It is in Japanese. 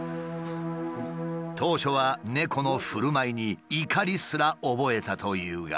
当初は猫のふるまいに怒りすら覚えたというが。